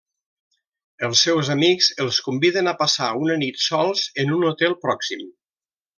Els seus amics els conviden a passar una nit sols en un hotel pròxim.